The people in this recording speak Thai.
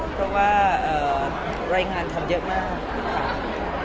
เพราะว่ารายงานทำเยอะมากค่ะ